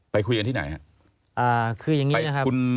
ไปคุยกันที่ไหนครับ